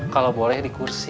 kalau boleh di kursi